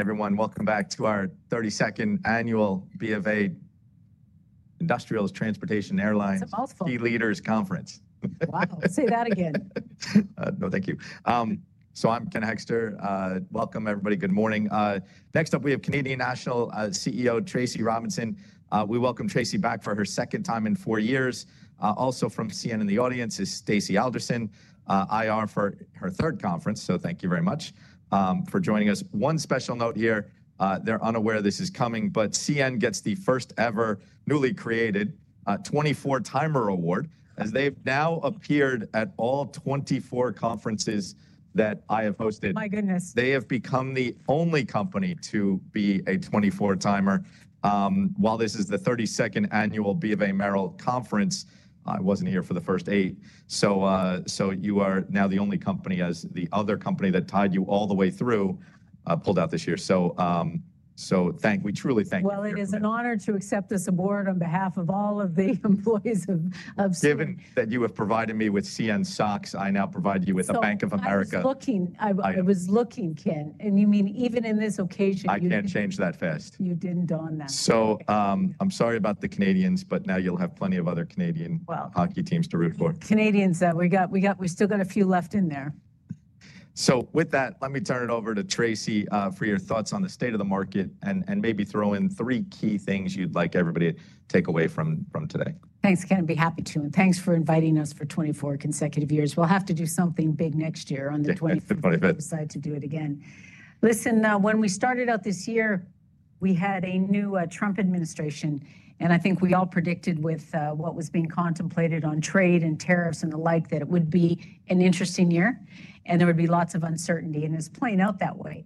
Everyone, welcome back to our 32nd annual BofA Industrials, Transportation, Airlines Key Leaders Conference. Wow, say that again. No, thank you. So I'm Ken Hoekster. Welcome, everybody. Good morning. Next up, we have Canadian National CEO Tracy Robinson. We welcome Tracy back for her second time in four years. Also from CN in the audience is Stacy Alderson, IR for her third conference, so thank you very much for joining us. One special note here, they're unaware this is coming, but CN gets the first ever newly created 24-timer award, as they've now appeared at all 24 conferences that I have hosted. My goodness. They have become the only company to be a 24-timer. While this is the 32nd annual BofA Merrill conference, I was not here for the first eight. You are now the only company, as the other company that tied you all the way through pulled out this year. Thank you, we truly thank you. It is an honor to accept this award on behalf of all of the employees of Canadian National Railway. Given that you have provided me with CN socks, I now provide you with a Bank of America. I was looking, Ken, and you mean even in this occasion. I can't change that fast. You did not on that. I'm sorry about the Canadians, but now you'll have plenty of other Canadian hockey teams to root for. Canadians, we got, we still got a few left in there. With that, let me turn it over to Tracy for your thoughts on the state of the market and maybe throw in three key things you'd like everybody to take away from today. Thanks, Ken, I'd be happy to, and thanks for inviting us for 24 consecutive years. We'll have to do something big next year on the 25th. The 25th. Decide to do it again. Listen, when we started out this year, we had a new Trump administration, and I think we all predicted with what was being contemplated on trade and tariffs and the like that it would be an interesting year and there would be lots of uncertainty, and it is playing out that way.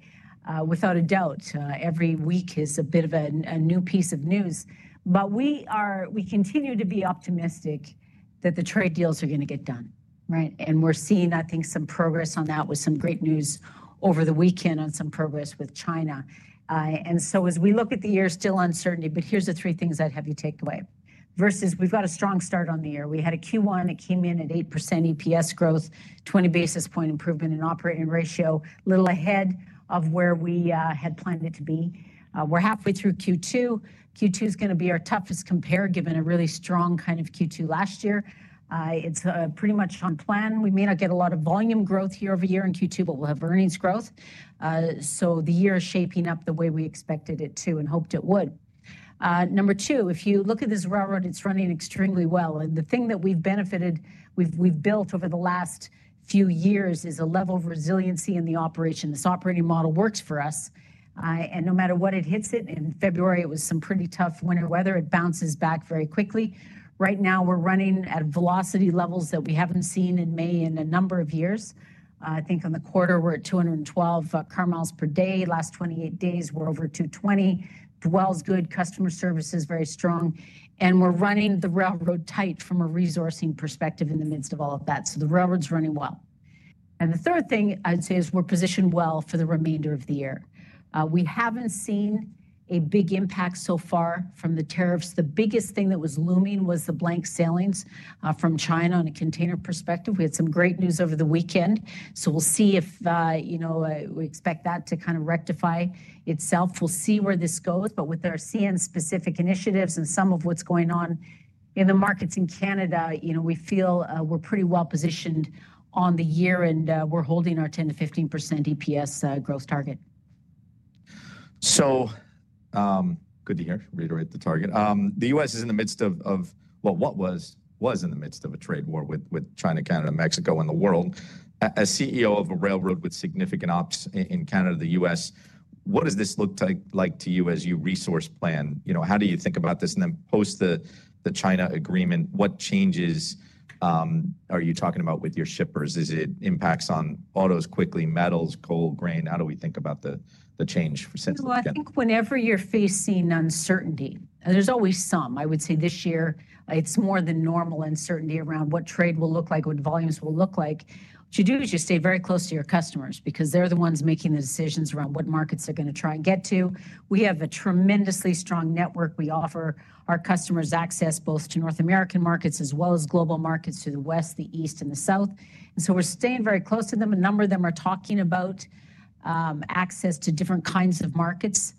Without a doubt, every week is a bit of a new piece of news, but we are, we continue to be optimistic that the trade deals are going to get done. Right? We are seeing, I think, some progress on that with some great news over the weekend on some progress with China. As we look at the year, still uncertainty, but here is the three things I would have you take away versus we have got a strong start on the year. We had a Q1 that came in at 8% EPS growth, 20 basis point improvement in operating ratio, a little ahead of where we had planned it to be. We're halfway through Q2. Q2 is going to be our toughest compare given a really strong kind of Q2 last year. It's pretty much on plan. We may not get a lot of volume growth year-over-year in Q2, but we'll have earnings growth. The year is shaping up the way we expected it to and hoped it would. Number two, if you look at this railroad, it's running extremely well. The thing that we've benefited, we've built over the last few years is a level of resiliency in the operation. This operating model works for us. No matter what it hits, in February, it was some pretty tough winter weather. It bounces back very quickly. Right now, we're running at velocity levels that we haven't seen in May in a number of years. I think in the quarter, we're at 212 car miles per day. Last 28 days, we're over 220. Dwell's good, customer service is very strong, and we're running the railroad tight from a resourcing perspective in the midst of all of that. The railroad's running well. The third thing I'd say is we're positioned well for the remainder of the year. We haven't seen a big impact so far from the tariffs. The biggest thing that was looming was the blank sailings from China on a container perspective. We had some great news over the weekend. We'll see if, you know, we expect that to kind of rectify itself. We'll see where this goes. With our CN-specific initiatives and some of what's going on in the markets in Canada, you know, we feel we're pretty well positioned on the year and we're holding our 10%-15% EPS growth target. Good to hear, reiterate the target. The U.S. is in the midst of, well, what was, was in the midst of a trade war with China, Canada, Mexico, and the world. As CEO of a railroad with significant ops in Canada, the U.S., what does this look like to you as you resource plan? You know, how do you think about this? And then post the China agreement, what changes are you talking about with your shippers? Is it impacts on autos quickly, metals, coal, grain? How do we think about the change for Central Canada? You know, I think whenever you're facing uncertainty, there's always some. I would say this year it's more than normal uncertainty around what trade will look like, what volumes will look like. What you do is you stay very close to your customers because they're the ones making the decisions around what markets they're going to try and get to. We have a tremendously strong network. We offer our customers access both to North American markets as well as global markets to the West, the East, and the South. We are staying very close to them. A number of them are talking about access to different kinds of markets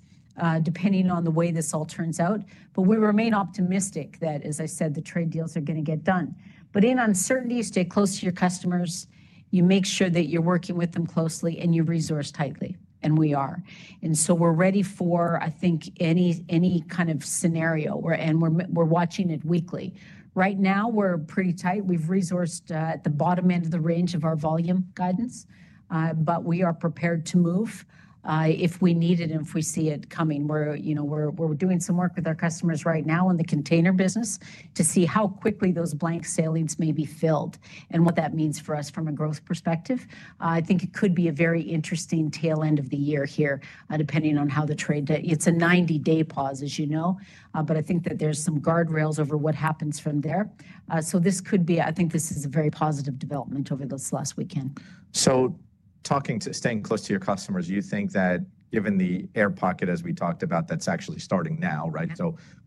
depending on the way this all turns out. We remain optimistic that, as I said, the trade deals are going to get done. In uncertainty, stay close to your customers. You make sure that you're working with them closely and you resource tightly, and we are. We are ready for, I think, any kind of scenario, and we're watching it weekly. Right now, we're pretty tight. We've resourced at the bottom end of the range of our volume guidance, but we are prepared to move if we need it and if we see it coming. We're, you know, we're doing some work with our customers right now in the container business to see how quickly those blank sailings may be filled and what that means for us from a growth perspective. I think it could be a very interesting tail end of the year here, depending on how the trade day. It's a 90-day pause, as you know, but I think that there's some guardrails over what happens from there. I think this is a very positive development over this last weekend. Talking to, staying close to your customers, you think that given the air pocket, as we talked about, that's actually starting now, right?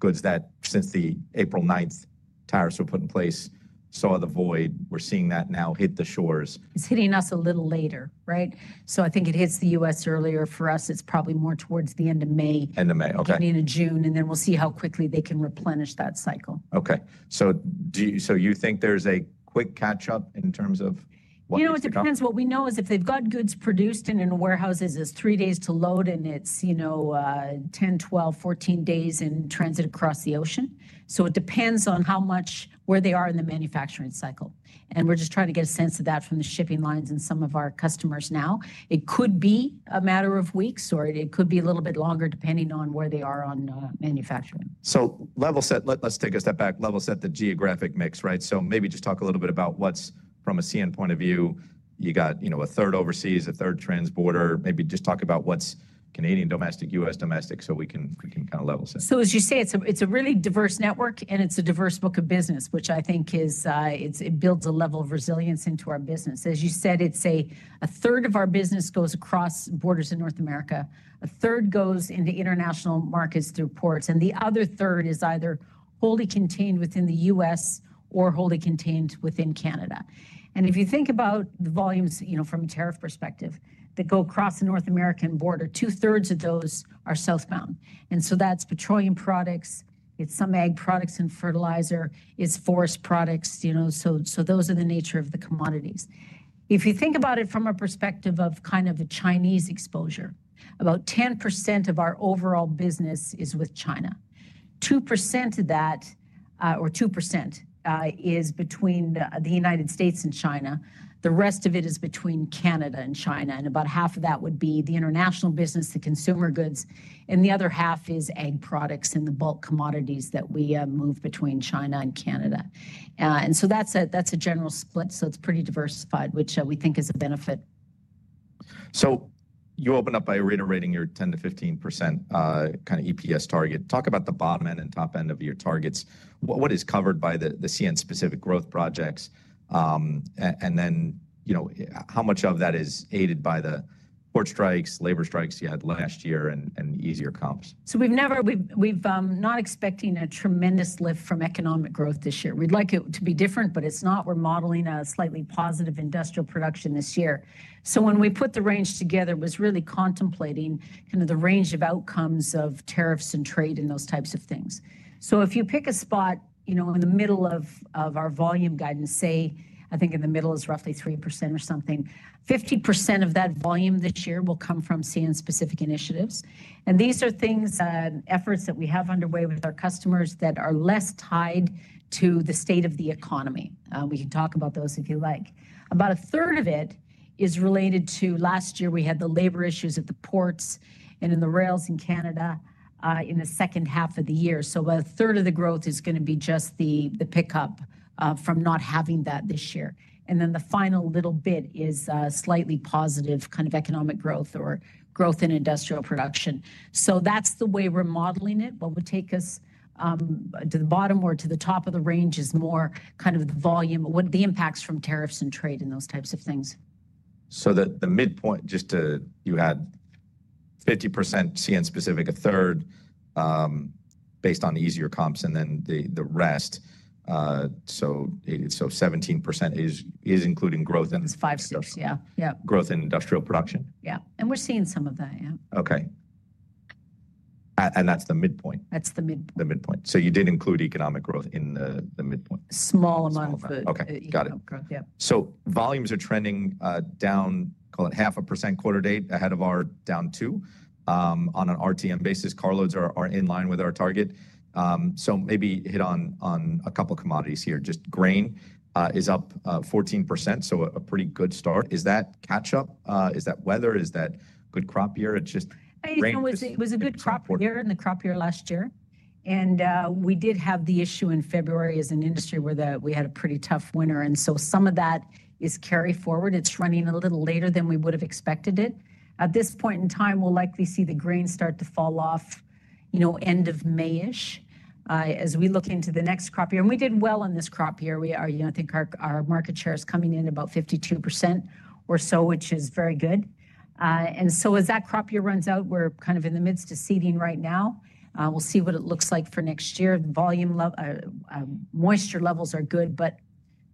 Goods that since the April 9th tariffs were put in place saw the void, we're seeing that now hit the shores. It's hitting us a little later, right? I think it hits the U.S. earlier. For us, it's probably more towards the end of May. End of May, okay. Beginning of June, and then we'll see how quickly they can replenish that cycle. Okay. Do you think there's a quick catch-up in terms of what? You know, it depends. What we know is if they've got goods produced and in warehouses, it's three days to load and it's, you know, 10, 12, 14 days in transit across the ocean. It depends on how much, where they are in the manufacturing cycle. We're just trying to get a sense of that from the shipping lines and some of our customers now. It could be a matter of weeks or it could be a little bit longer depending on where they are on manufacturing. Level set, let's take a step back, level set the geographic mix, right? Maybe just talk a little bit about what's from a CN point of view. You got, you know, a third overseas, a third transborder. Maybe just talk about what's Canadian domestic, U.S. domestic, so we can kind of level set. As you say, it's a really diverse network and it's a diverse book of business, which I think is, it builds a level of resilience into our business. As you said, a third of our business goes across borders in North America. A third goes into international markets through ports. The other third is either wholly contained within the U.S. or wholly contained within Canada. If you think about the volumes, you know, from a tariff perspective that go across the North American border, 2/3 of those are southbound. That's petroleum products, it's some ag products and fertilizer, it's forest products, you know, so those are the nature of the commodities. If you think about it from a perspective of kind of a Chinese exposure, about 10% of our overall business is with China. 2% of that, or 2%, is between the U.S. and China. The rest of it is between Canada and China. About half of that would be the international business, the consumer goods. The other half is ag products and the bulk commodities that we move between China and Canada. That is a general split, so it is pretty diversified, which we think is a benefit. You open up by reiterating your 10%-15% kind of EPS target. Talk about the bottom end and top end of your targets. What is covered by the CN-specific growth projects? And then, you know, how much of that is aided by the port strikes, labor strikes you had last year, and easier comps? We've never, we're not expecting a tremendous lift from economic growth this year. We'd like it to be different, but it's not. We're modeling a slightly positive industrial production this year. When we put the range together, it was really contemplating kind of the range of outcomes of tariffs and trade and those types of things. If you pick a spot, you know, in the middle of our volume guidance, I think in the middle is roughly 3% or something, 50% of that volume this year will come from CN-specific initiatives. These are things, efforts that we have underway with our customers that are less tied to the state of the economy. We can talk about those if you like. About 1/3 of it is related to last year. We had the labor issues at the ports and in the rails in Canada in the second half of the year. About 1/3 of the growth is going to be just the pickup from not having that this year. The final little bit is slightly positive kind of economic growth or growth in industrial production. That is the way we are modeling it. What would take us to the bottom or to the top of the range is more kind of the volume, the impacts from tariffs and trade and those types of things. The midpoint, just to, you had 50% CN-specific, 1/3 based on easier comps, and then the rest. Seventeen percent is including growth and. It's 5/6, yeah. Growth in industrial production. Yeah. We're seeing some of that, yeah. Okay. That's the midpoint. That's the midpoint. The midpoint. So you did include economic growth in the midpoint. Small amount of food. Okay. Got it. Volumes are trending down, call it half a percent quarter date ahead of our down two on an RTM basis. Carloads are in line with our target. Maybe hit on a couple of commodities here. Just grain is up 14%, so a pretty good start. Is that catch-up? Is that weather? Is that good crop year? It is just grain for the quarter. It was a good crop year in the crop year last year. We did have the issue in February as an industry where we had a pretty tough winter. Some of that is carry forward. It's running a little later than we would have expected it. At this point in time, we'll likely see the grain start to fall off, you know, end of May-ish as we look into the next crop year. We did well in this crop year. We are, you know, I think our market share is coming in about 52% or so, which is very good. As that crop year runs out, we're kind of in the midst of seeding right now. We'll see what it looks like for next year. Volume level, moisture levels are good, but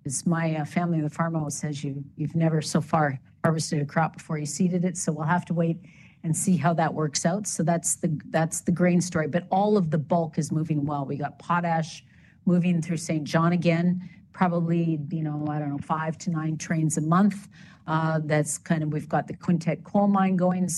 as my family of the farm always says, you've never so far harvested a crop before you seeded it. We have to wait and see how that works out. That's the grain story. All of the bulk is moving well. We got potash moving through St. John again, probably, you know, I don't know, five to nine trains a month. That's kind of, we've got the Quintet Coal Mine going.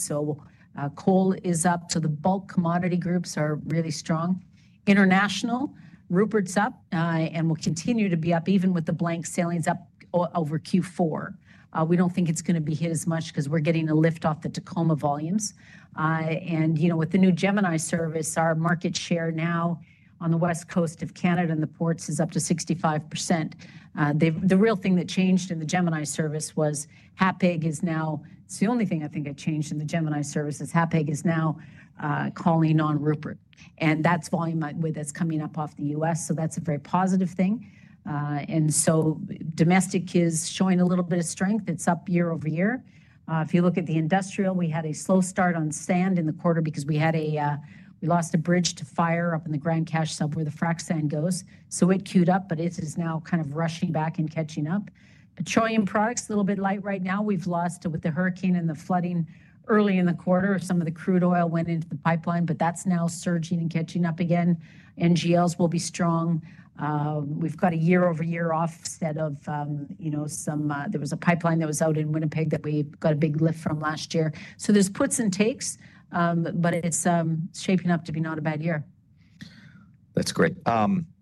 Coal is up. The bulk commodity groups are really strong. International, Rupert's up and will continue to be up even with the blank sailings up over Q4. We don't think it's going to be hit as much because we're getting a lift off the Tacoma volumes. You know, with the new Gemini service, our market share now on the west coast of Canada and the ports is up to 65%. The real thing that changed in the Gemini service was Hapag is now, it's the only thing I think I changed in the Gemini service is Hapag is now calling on Rupert. That's volume that's coming up off the U.S. That is a very positive thing. Domestic is showing a little bit of strength. It's up year-over-year. If you look at the industrial, we had a slow start on sand in the quarter because we had a, we lost a bridge to fire up in the Grand Cache sub where the frac sand goes. It queued up, but it is now kind of rushing back and catching up. Petroleum products, a little bit light right now. We've lost with the hurricane and the flooding early in the quarter. Some of the crude oil went into the pipeline, but that's now surging and catching up again. NGLs will be strong. We've got a year-over-year offset of, you know, some, there was a pipeline that was out in Winnipeg that we got a big lift from last year. So there's puts and takes, but it's shaping up to be not a bad year. That's great.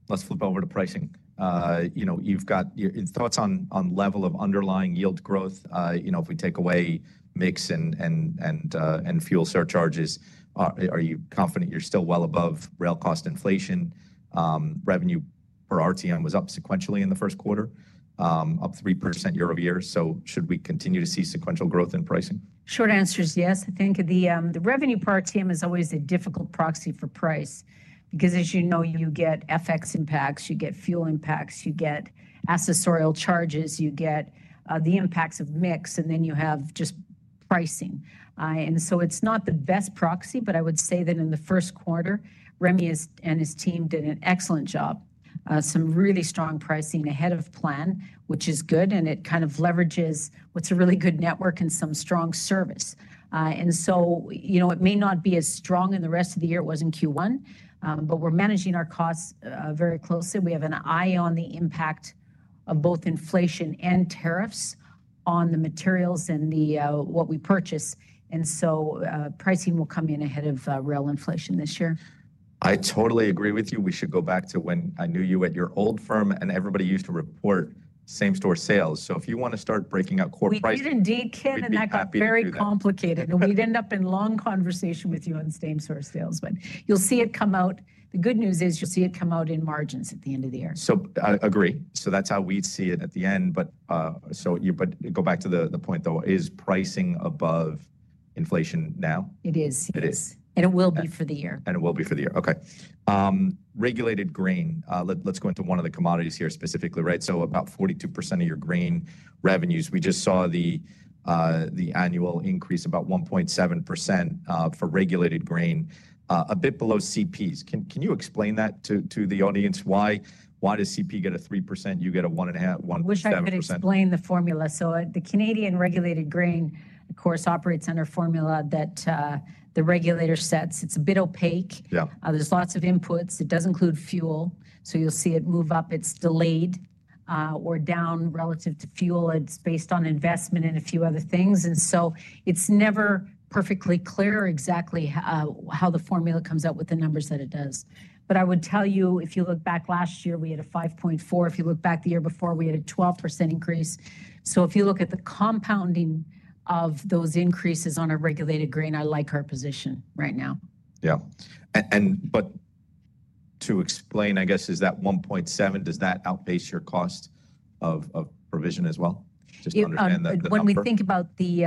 Let's flip over to pricing. You know, you've got your thoughts on level of underlying yield growth. You know, if we take away mix and fuel surcharges, are you confident you're still well above rail cost inflation? Revenue per RTM was up sequentially in the first quarter, up 3% year-over-year. Should we continue to see sequential growth in pricing? Short answer is yes. I think the revenue per RTM is always a difficult proxy for price because, as you know, you get FX impacts, you get fuel impacts, you get accessorial charges, you get the impacts of mix, and then you have just pricing. It is not the best proxy, but I would say that in the first quarter, Remi and his team did an excellent job. Some really strong pricing ahead of plan, which is good, and it kind of leverages what is a really good network and some strong service. You know, it may not be as strong in the rest of the year. It was in Q1, but we are managing our costs very closely. We have an eye on the impact of both inflation and tariffs on the materials and what we purchase. Pricing will come in ahead of rail inflation this year. I totally agree with you. We should go back to when I knew you at your old firm and everybody used to report same-store sales. If you want to start breaking out core price. We did indeed, Ken, and that got very complicated. We'd end up in long conversation with you on same-store sales, but you'll see it come out. The good news is you'll see it come out in margins at the end of the year. I agree. That's how we'd see it at the end. But go back to the point though, is pricing above inflation now? It is. It is. It will be for the year. It will be for the year. Okay. Regulated grain, let's go into one of the commodities here specifically, right? About 42% of your grain revenues. We just saw the annual increase, about 1.7% for regulated grain, a bit below CP's. Can you explain that to the audience? Why does CP get 3%? You get 1.7%? I wish I could explain the formula. The Canadian regulated grain, of course, operates under a formula that the regulator sets. It's a bit opaque. There are lots of inputs. It does include fuel. You will see it move up. It's delayed or down relative to fuel. It's based on investment and a few other things. It is never perfectly clear exactly how the formula comes out with the numbers that it does. I would tell you, if you look back last year, we had a 5.4%. If you look back the year before, we had a 12% increase. If you look at the compounding of those increases on regulated grain, I like our position right now. Yeah. To explain, I guess, is that 1.7%, does that outpace your cost of provision as well? Just to understand that. When we think about the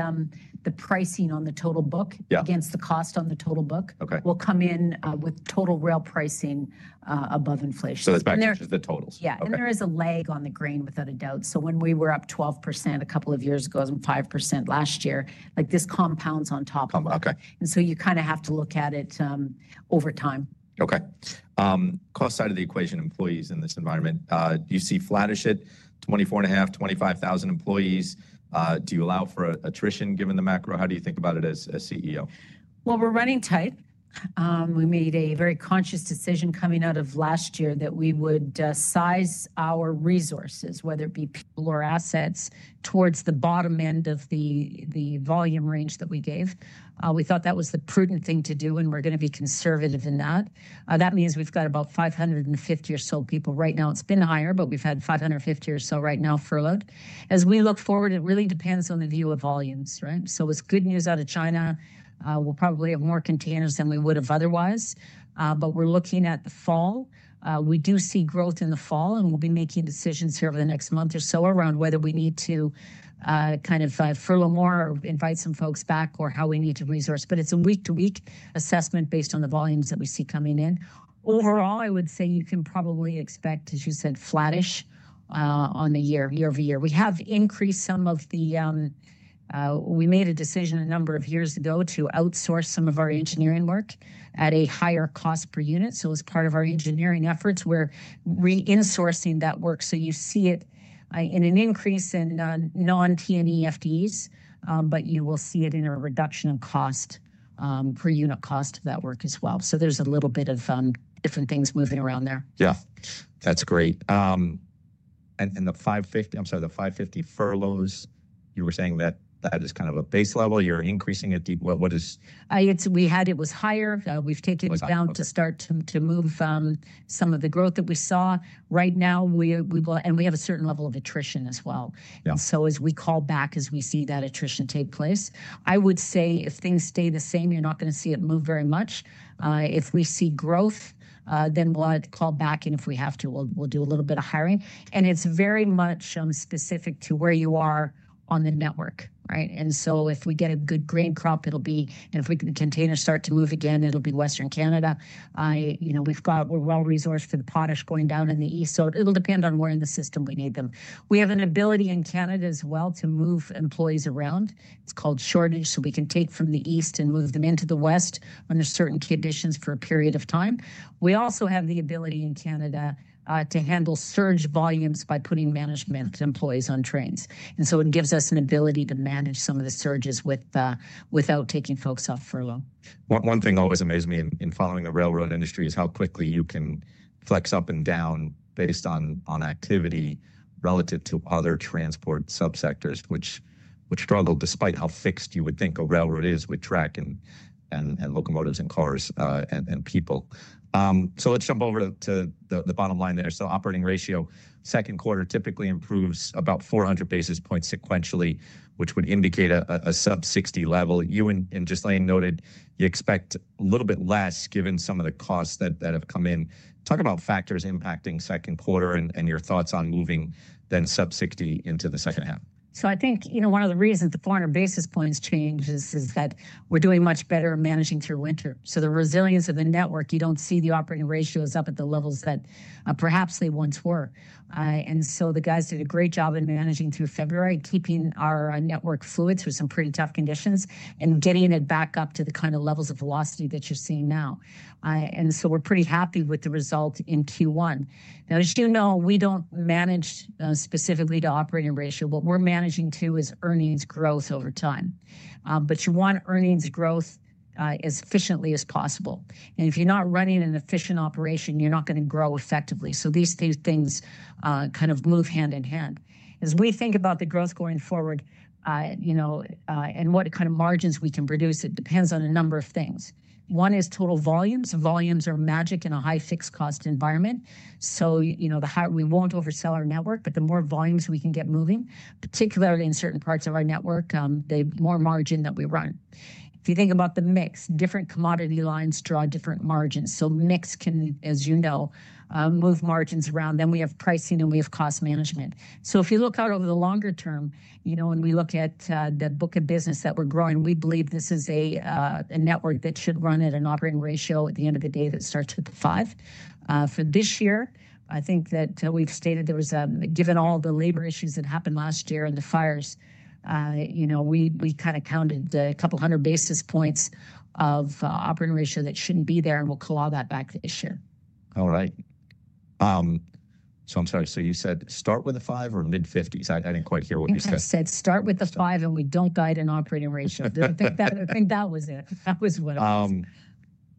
pricing on the total book against the cost on the total book, we'll come in with total rail pricing above inflation. It's back to just the totals. Yeah. There is a lag on the grain without a doubt. When we were up 12% a couple of years ago and 5% last year, this compounds on top of it. You kind of have to look at it over time. Okay. Cost side of the equation, employees in this environment, do you see flattish at 24,500-25,000 employees? Do you allow for attrition given the macro? How do you think about it as CEO? We're running tight. We made a very conscious decision coming out of last year that we would size our resources, whether it be people or assets, towards the bottom end of the volume range that we gave. We thought that was the prudent thing to do and we're going to be conservative in that. That means we've got about 550 or so people right now. It's been higher, but we've had 550 or so right now furloughed. As we look forward, it really depends on the view of volumes, right? It's good news out of China. We'll probably have more containers than we would have otherwise. We're looking at the fall. We do see growth in the fall and we'll be making decisions here over the next month or so around whether we need to kind of furlough more or invite some folks back or how we need to resource. It is a week-to-week assessment based on the volumes that we see coming in. Overall, I would say you can probably expect, as you said, flattish on the year, year-over-year. We have increased some of the, we made a decision a number of years ago to outsource some of our engineering work at a higher cost per unit. As part of our engineering efforts, we're re-insourcing that work. You see it in an increase in non-T&E FDEs, but you will see it in a reduction in cost per unit cost of that work as well. There is a little bit of different things moving around there. Yeah. That's great. And the 550, I'm sorry, the 550 furloughs, you were saying that that is kind of a base level. You're increasing it. What is? We had it was higher. We've taken it down to start to move some of the growth that we saw. Right now, we will, and we have a certain level of attrition as well. As we call back, as we see that attrition take place, I would say if things stay the same, you're not going to see it move very much. If we see growth, then we'll call back and if we have to, we'll do a little bit of hiring. It's very much specific to where you are on the network, right? If we get a good grain crop, it'll be, and if we get the containers start to move again, it'll be Western Canada. You know, we've got, we're well resourced for the potash going down in the east. It will depend on where in the system we need them. We have an ability in Canada as well to move employees around. It's called shortage. We can take from the east and move them into the west under certain conditions for a period of time. We also have the ability in Canada to handle surge volumes by putting management employees on trains. It gives us an ability to manage some of the surges without taking folks off furlough. One thing always amazes me in following the railroad industry is how quickly you can flex up and down based on activity relative to other transport subsectors, which struggle despite how fixed you would think a railroad is with track and locomotives and cars and people. Let's jump over to the bottom line there. Operating ratio, second quarter typically improves about 400 basis points sequentially, which would indicate a sub-60 level. You and Ghislain noted you expect a little bit less given some of the costs that have come in. Talk about factors impacting second quarter and your thoughts on moving then sub-60 into the second half. I think, you know, one of the reasons the four hundred basis points change is that we're doing much better managing through winter. The resilience of the network, you don't see the operating ratios up at the levels that perhaps they once were. The guys did a great job in managing through February, keeping our network fluid through some pretty tough conditions and getting it back up to the kind of levels of velocity that you're seeing now. We're pretty happy with the result in Q1. Now, as you know, we don't manage specifically to operating ratio, but what we're managing to is earnings growth over time. You want earnings growth as efficiently as possible. If you're not running an efficient operation, you're not going to grow effectively. These two things kind of move hand in hand. As we think about the growth going forward, you know, and what kind of margins we can produce, it depends on a number of things. One is total volumes. Volumes are magic in a high fixed cost environment. You know, the higher we won't oversell our network, but the more volumes we can get moving, particularly in certain parts of our network, the more margin that we run. If you think about the mix, different commodity lines draw different margins. Mix can, as you know, move margins around. Then we have pricing and we have cost management. If you look out over the longer term, you know, when we look at the book of business that we're growing, we believe this is a network that should run at an operating ratio at the end of the day that starts with a five. For this year, I think that we've stated there was, given all the labor issues that happened last year and the fires, you know, we kind of counted a couple hundred basis points of operating ratio that shouldn't be there and we'll call all that back this year. All right. I'm sorry. You said start with a five or mid-50s? I didn't quite hear what you said. I said start with a five and we don't guide an operating ratio. I think that was it. That was what I was.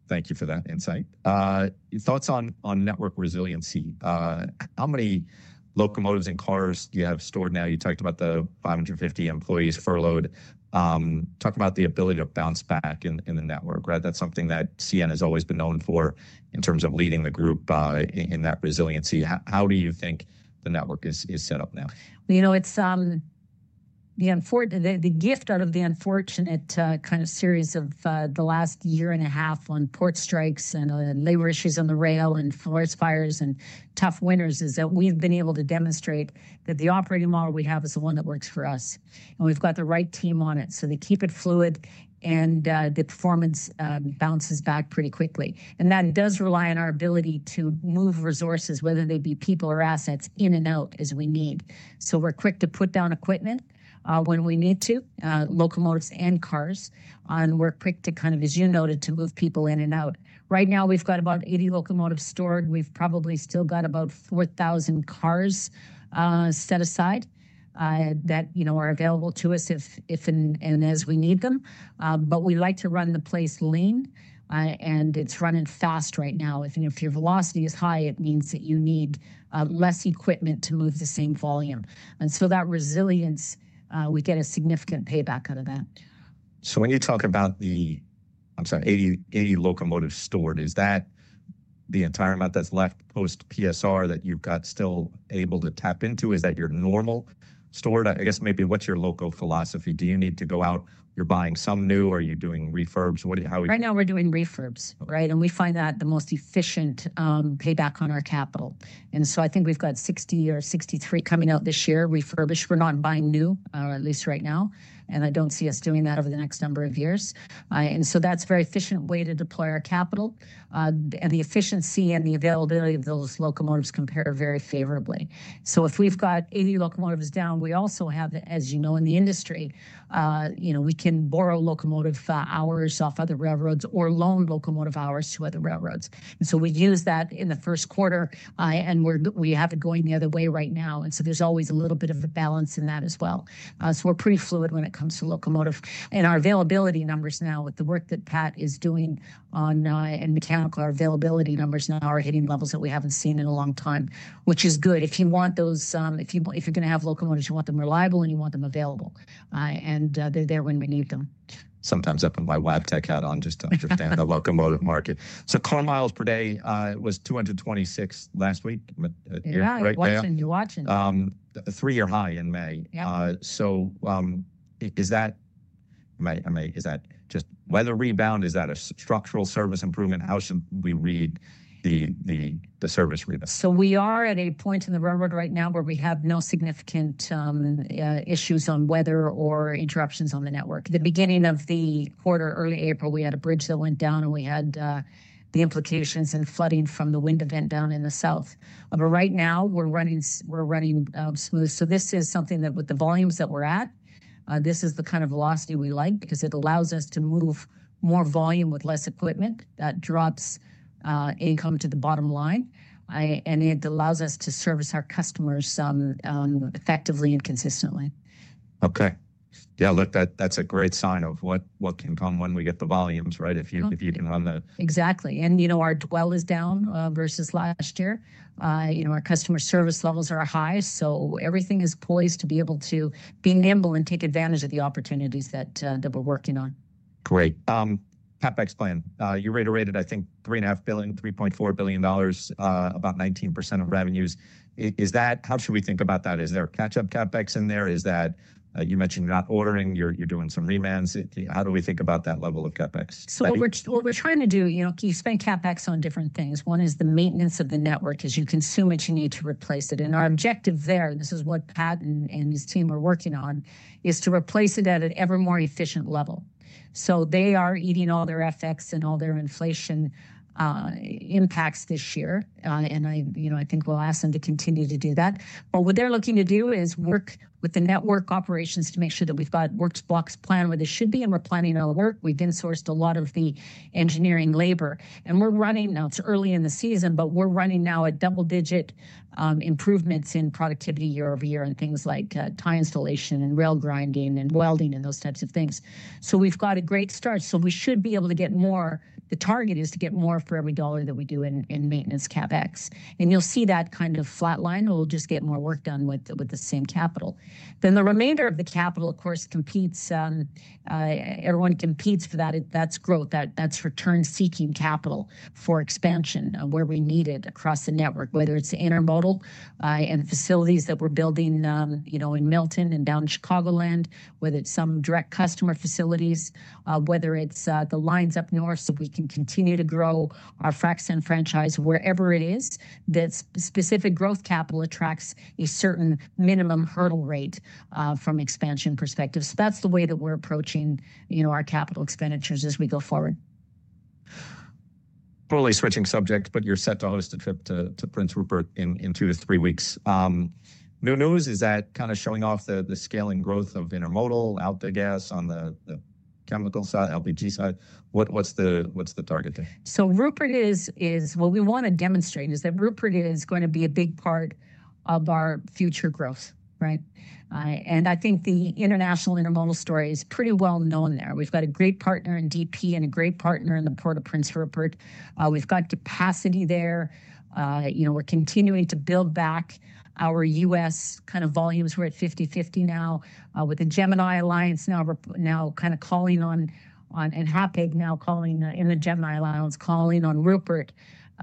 Thank you for that insight. Thoughts on network resiliency? How many locomotives and cars do you have stored now? You talked about the 550 employees furloughed. Talk about the ability to bounce back in the network, right? That's something that CN has always been known for in terms of leading the group in that resiliency. How do you think the network is set up now? You know, it's the gift out of the unfortunate kind of series of the last year and a half on port strikes and labor issues on the rail and forest fires and tough winters is that we've been able to demonstrate that the operating model we have is the one that works for us. We've got the right team on it. They keep it fluid and the performance bounces back pretty quickly. That does rely on our ability to move resources, whether they be people or assets in and out as we need. We're quick to put down equipment when we need to, locomotives and cars. We're quick to kind of, as you noted, to move people in and out. Right now, we've got about 80 locomotives stored. We've probably still got about 4,000 cars set aside that, you know, are available to us if and as we need them. We like to run the place lean. It is running fast right now. If your velocity is high, it means that you need less equipment to move the same volume. That resilience, we get a significant payback out of that. When you talk about the, I'm sorry, 80 locomotives stored, is that the entire amount that's left post-PSR that you've got still able to tap into? Is that your normal stored? I guess maybe what's your local philosophy? Do you need to go out? You're buying some new or are you doing refurbs? Right now, we're doing refurbs, right? And we find that the most efficient payback on our capital. I think we've got 60 or 63 coming out this year, refurbished. We're not buying new, at least right now. I don't see us doing that over the next number of years. That's a very efficient way to deploy our capital. The efficiency and the availability of those locomotives compare very favorably. If we've got 80 locomotives down, we also have, as you know, in the industry, you know, we can borrow locomotive hours off other railroads or loan locomotive hours to other railroads. We use that in the first quarter and we have it going the other way right now. There's always a little bit of a balance in that as well. We're pretty fluid when it comes to locomotive. Our availability numbers now with the work that Pat is doing on mechanical, our availability numbers now are hitting levels that we have not seen in a long time, which is good. If you want those, if you are going to have locomotives, you want them reliable and you want them available. They are there when we need them. Sometimes I put my Wabtec hat on just to understand the locomotive market. So car miles per day was 226 last week. You're watching. Three-year high in May. Is that just weather rebound? Is that a structural service improvement? How should we read the service rebound? We are at a point in the railroad right now where we have no significant issues on weather or interruptions on the network. At the beginning of the quarter, early April, we had a bridge that went down and we had the implications and flooding from the wind event down in the south. Right now, we're running smooth. This is something that with the volumes that we're at, this is the kind of velocity we like because it allows us to move more volume with less equipment. That drops income to the bottom line. It allows us to service our customers effectively and consistently. Okay. Yeah, look, that's a great sign of what can come when we get the volumes, right? If you can run the. Exactly. You know, our dwell is down versus last year. You know, our customer service levels are high. Everything is poised to be able to be nimble and take advantage of the opportunities that we're working on. Great. CapEx plan. You reiterated, I think, $3.5 billion, $3.4 billion, about 19% of revenues. Is that, how should we think about that? Is there a catch-up CapEx in there? Is that you mentioned you're not ordering, you're doing some remands. How do we think about that level of CapEx? What we're trying to do, you know, you spend CapEx on different things. One is the maintenance of the network as you consume it, you need to replace it. Our objective there, and this is what Pat and his team are working on, is to replace it at an ever more efficient level. They are eating all their FX and all their inflation impacts this year. I, you know, I think we'll ask them to continue to do that. What they're looking to do is work with the network operations to make sure that we've got works blocks planned where they should be and we're planning our work. We've insourced a lot of the engineering labor. We're running, now it's early in the season, but we're running now at double-digit improvements in productivity year-over-year in things like tie installation and rail grinding and welding and those types of things. We've got a great start. We should be able to get more. The target is to get more for every dollar that we do in maintenance CapEx. You'll see that kind of flatline. We'll just get more work done with the same capital. The remainder of the capital, of course, competes. Everyone competes for that. That's growth. That's return-seeking capital for expansion where we need it across the network, whether it's intermodal and facilities that we're building, you know, in Milton and down in Chicagoland, whether it's some direct customer facilities, whether it's the lines up north. We can continue to grow our frac sand franchise wherever it is that specific growth capital attracts a certain minimum hurdle rate from an expansion perspective. That is the way that we are approaching, you know, our capital expenditures as we go forward. Totally switching subject, but you're set to host a trip to Prince Rupert in two to three weeks. New news is that kind of showing off the scaling growth of intermodal, out the gas on the chemical side, LPG side. What's the target there? Rupert is, what we want to demonstrate is that Rupert is going to be a big part of our future growth, right? I think the international intermodal story is pretty well known there. We've got a great partner in DP and a great partner in the port of Prince Rupert. We've got capacity there. You know, we're continuing to build back our U.S. kind of volumes. We're at 50/50 now with the Gemini Alliance now kind of calling on, and Hapag now calling in the Gemini Alliance, calling on Rupert.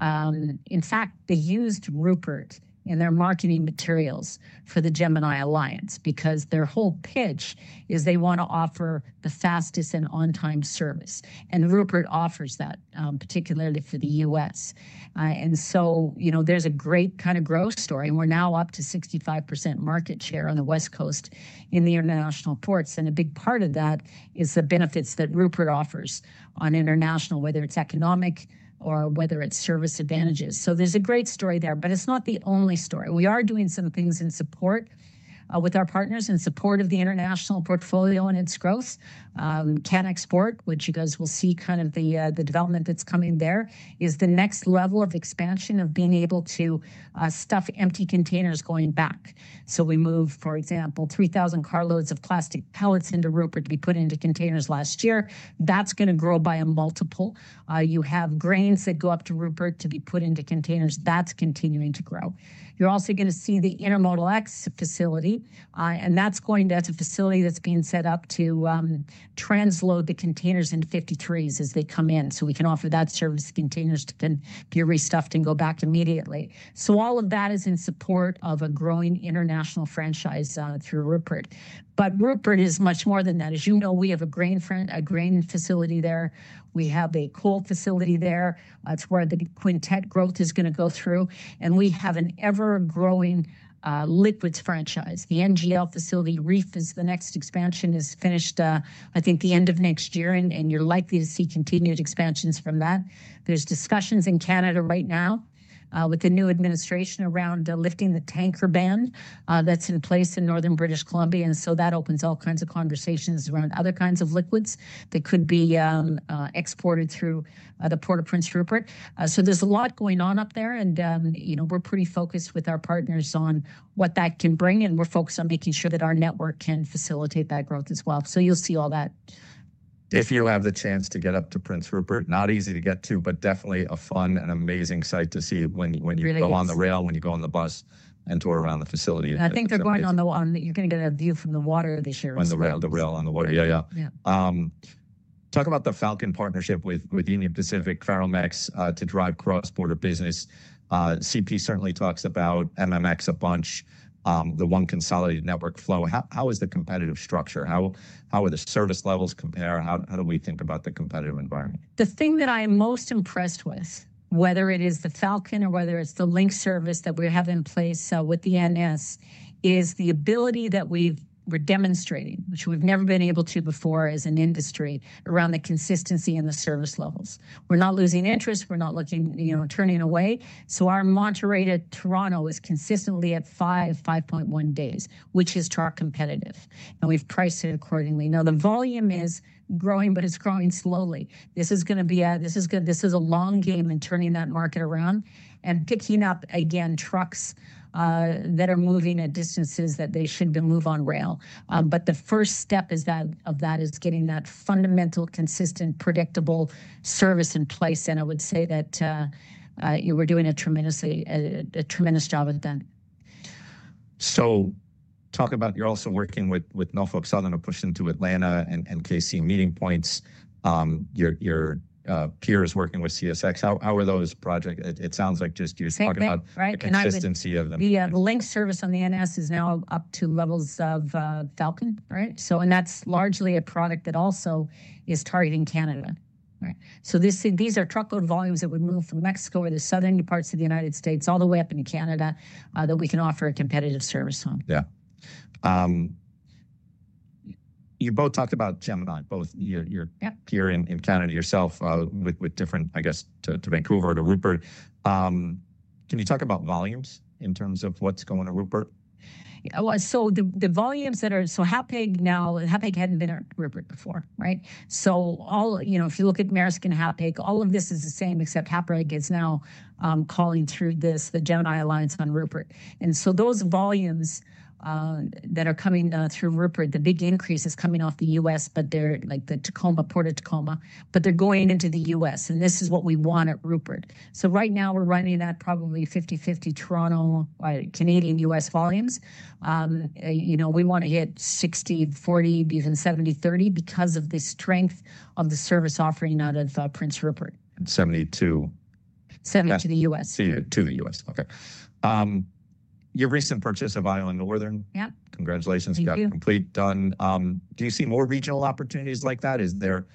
In fact, they used Rupert in their marketing materials for the Gemini Alliance because their whole pitch is they want to offer the fastest and on-time service. Rupert offers that, particularly for the U.S. You know, there's a great kind of growth story. We're now up to 65% market share on the West Coast in the international ports. A big part of that is the benefits that Rupert offers on international, whether it's economic or whether it's service advantages. There is a great story there, but it's not the only story. We are doing some things in support with our partners in support of the international portfolio and its growth. CanExport, which you guys will see kind of the development that's coming there, is the next level of expansion of being able to stuff empty containers going back. We move, for example, 3,000 car loads of plastic pellets into Rupert to be put into containers last year. That's going to grow by a multiple. You have grains that go up to Rupert to be put into containers. That's continuing to grow. You're also going to see the IntermodeX facility. That is going to, that is a facility that is being set up to transload the containers in 53s as they come in. We can offer that service to containers to be restuffed and go back immediately. All of that is in support of a growing international franchise through Rupert. Rupert is much more than that. As you know, we have a grain facility there. We have a coal facility there. That is where the quintet growth is going to go through. We have an ever-growing liquids franchise. The NGL facility, Reef, the next expansion is finished, I think the end of next year. You are likely to see continued expansions from that. There are discussions in Canada right now with the new administration around lifting the tanker ban that is in place in Northern British Columbia. That opens all kinds of conversations around other kinds of liquids that could be exported through the port of Prince Rupert. There is a lot going on up there. You know, we are pretty focused with our partners on what that can bring. We are focused on making sure that our network can facilitate that growth as well. You will see all that. If you have the chance to get up to Prince Rupert, not easy to get to, but definitely a fun and amazing site to see when you go on the rail, when you go on the bus and tour around the facility. I think they're going on the, you're going to get a view from the water this year. On the rail, on the water. Yeah, yeah. Talk about the Falcon partnership with Union Pacific, Ferromex to drive cross-border business. CP certainly talks about MMX a bunch, the one consolidated network flow. How is the competitive structure? How are the service levels compared? How do we think about the competitive environment? The thing that I'm most impressed with, whether it is the Falcon or whether it's the Link service that we have in place with the NS, is the ability that we've demonstrated, which we've never been able to before as an industry around the consistency and the service levels. We're not losing interest. We're not looking, you know, turning away. Our Monterey to Toronto is consistently at five, 5.1 days, which is truck competitive. We've priced it accordingly. Now, the volume is growing, but it's growing slowly. This is going to be, this is a long game in turning that market around and picking up again trucks that are moving at distances that they shouldn't move on rail. The first step of that is getting that fundamental, consistent, predictable service in place. I would say that we're doing a tremendous job with that. Talk about, you're also working with Norfolk Southern to push into Atlanta and Kansas City meeting points. Your peers working with CSX. How are those projects? It sounds like just you're talking about the consistency of them. The Link service on the NS is now up to levels of Falcon, right? That is largely a product that also is targeting Canada. These are truckload volumes that would move from Mexico or the southern parts of the United States all the way up into Canada that we can offer a competitive service on. Yeah. You both talked about Gemini, both your peer in Canada, yourself with different, I guess, to Vancouver, to Rupert. Can you talk about volumes in terms of what's going on in Rupert? The volumes that are, so Hapag now, Hapag had not been at Rupert before, right? If you look at Maersk and Hapag, all of this is the same except Hapag is now calling through this, the Gemini Alliance on Rupert. Those volumes that are coming through Rupert, the big increase is coming off the U.S., but they are like the Tacoma, Port of Tacoma, but they are going into the U.S. This is what we want at Rupert. Right now we are running at probably 50/50 Toronto, Canadian-U.S. volumes. You know, we want to hit 60/40, even 70/30 because of the strength of the service offering out of Prince Rupert. 70 to? 70 to the U.S. To the U.S. Okay. Your recent purchase of Island Northern. Congratulations. Got complete, done. Do you see more regional opportunities like that? Is there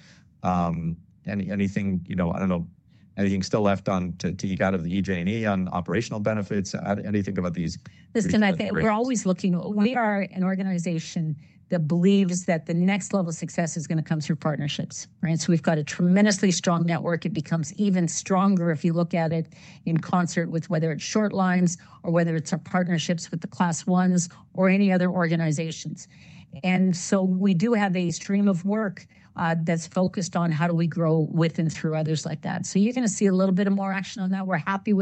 anything, you know, I do not know, anything still left on to eke out of the EJ&E on operational benefits? Anything about these? Listen, I think we're always looking, we are an organization that believes that the next level of success is going to come through partnerships, right? We have got a tremendously strong network. It becomes even stronger if you look at it in concert with whether it's short lines or whether it's our partnerships with the class ones or any other organizations. We do have a stream of work that's focused on how do we grow with and through others like that. You are going to see a little bit of more action on that. We're happy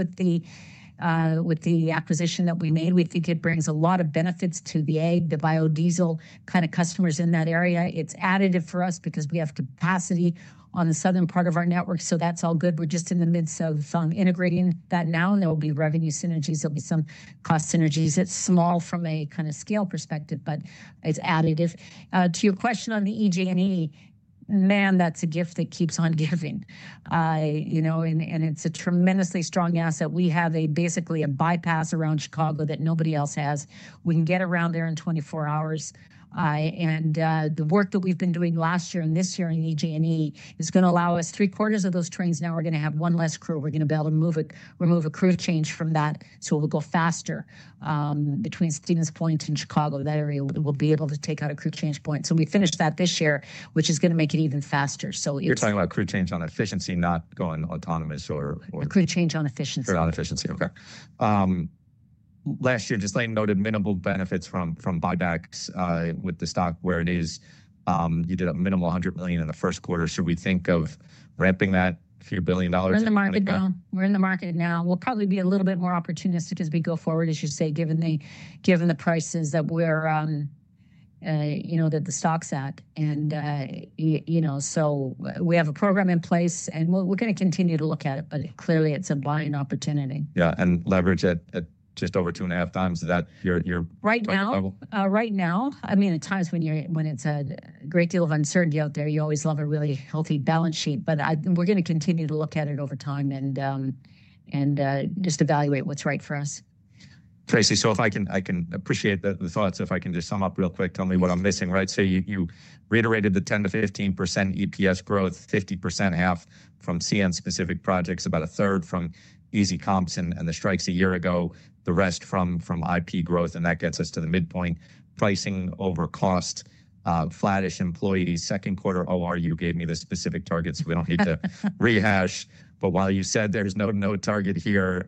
with the acquisition that we made. We think it brings a lot of benefits to the ag, the biodiesel kind of customers in that area. It's additive for us because we have capacity on the southern part of our network. That's all good. We're just in the midst of integrating that now. There will be revenue synergies. There'll be some cost synergies. It's small from a kind of scale perspective, but it's additive. To your question on the EJ&E, man, that's a gift that keeps on giving. You know, and it's a tremendously strong asset. We have basically a bypass around Chicago that nobody else has. We can get around there in 24 hours. The work that we've been doing last year and this year in EJ&E is going to allow us three quarters of those trains. Now we're going to have one less crew. We're going to be able to move a crew change from that. You know, we go faster between Stevens Point and Chicago. That area will be able to take out a crew change point. We finished that this year, which is going to make it even faster. You're talking about crew change on efficiency, not going autonomous or. Crew change on efficiency. Crew on efficiency. Okay. Last year, just letting you know, minimal benefits from buybacks with the stock where it is. You did a minimal $100 million in the first quarter. Should we think of ramping that few billion dollars? We're in the market now. We'll probably be a little bit more opportunistic as we go forward, as you say, given the prices that we're, you know, that the stock's at. You know, we have a program in place and we're going to continue to look at it, but clearly it's a buying opportunity. Yeah. Leverage at just over 2.5x that you're. Right now? Right now, I mean, at times when it's a great deal of uncertainty out there, you always love a really healthy balance sheet, but we're going to continue to look at it over time and just evaluate what's right for us. Tracy, so if I can appreciate the thoughts, if I can just sum up real quick, tell me what I'm missing, right? You reiterated the 10%-15% EPS growth, 50% half from CN-specific projects, about 1/3 from easy comps and the strikes a year ago, the rest from IP growth. That gets us to the midpoint pricing over cost, flattish employees. Second quarter OR you gave me the specific targets. We do not need to rehash. While you said there is no target here,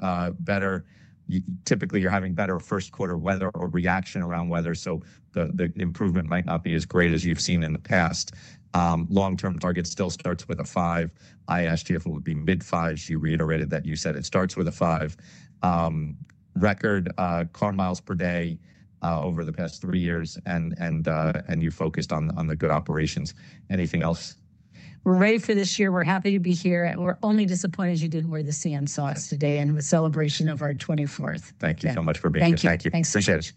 typically you are having better first quarter weather or reaction around weather. The improvement might not be as great as you have seen in the past. Long-term target still starts with a five. I asked you if it would be mid-five. You reiterated that you said it starts with a five. Record car miles per day over the past three years and you focused on the good operations. Anything else? We're ready for this year. We're happy to be here. We're only disappointed you didn't wear the CN socks today in celebration of our 24th. Thank you so much for being here. Thank you. Appreciate it.